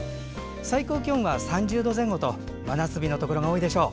最高気温は３０度前後と真夏日のところが多いでしょう。